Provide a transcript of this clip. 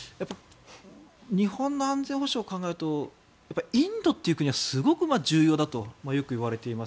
日本の安全保障を考えるとインドという国はすごく重要だとよくいわれています。